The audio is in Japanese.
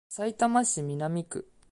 さいたま市南区